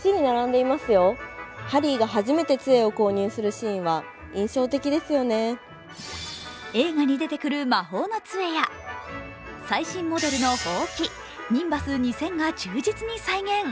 お店の中をのぞいてみると映画に出てくる魔法のつえや最新モデルのほうき、ニンバス２０００が忠実に再現。